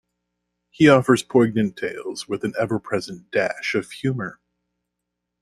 He offers poignant tales with an ever-present dash of humor.